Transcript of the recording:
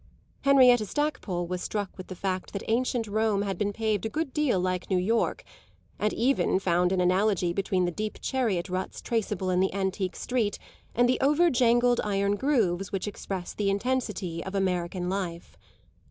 Henrietta Stackpole was struck with the fact that ancient Rome had been paved a good deal like New York, and even found an analogy between the deep chariot ruts traceable in the antique street and the overjangled iron grooves which express the intensity of American life.